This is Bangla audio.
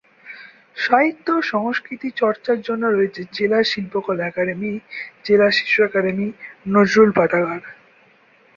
সাহিত্য ও সংস্কৃতি চর্চার জন্য রয়েছে জেলা শিল্পকলা একাডেমি, জেলা শিশু একাডেমি, নজরুল পাঠাগার।